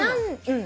うん。